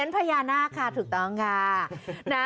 พญานาคค่ะถูกต้องค่ะ